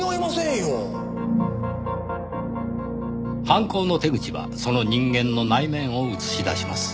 犯行の手口はその人間の内面を映し出します。